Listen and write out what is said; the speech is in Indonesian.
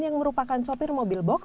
yang merupakan sopir mobil box